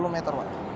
dua puluh meter pak